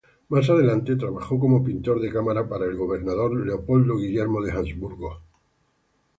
Más adelante trabajó como pintor de cámara para el gobernador Leopoldo Guillermo de Habsburgo.